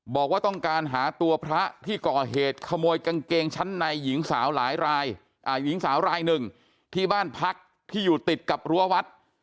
บอกว่าต้องการหาตัวพระที่ก่อเหตุขโมยกางเกงชั้นในหญิงสาวหลายรายหญิงสาวรายหนึ่งที่บ้านพักที่อยู่ติดกับรั้ววัด